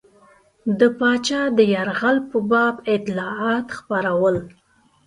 د پاچا د یرغل په باب اطلاعات خپرول.